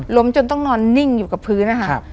ล้มจนต้องนอนนิ่งอยู่กับพื้น